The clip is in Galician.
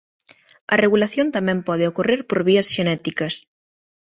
A regulación pode tamén ocorrer por vías xenéticas.